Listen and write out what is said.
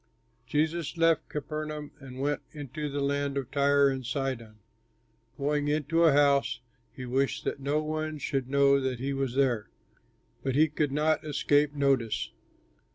'" Jesus left Capernaum and went into the land of Tyre and Sidon. Going into a house, he wished that no one should know that he was there, but he could not escape notice.